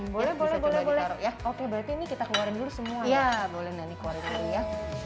boleh boleh boleh ya oke berarti ini kita keluarin dulu semua ya boleh nani keluarin dulu ya